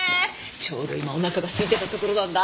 ちょうど今おなかが空いてたところなんだ。